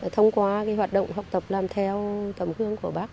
thông qua hoạt động học tập làm theo tầm hương của bác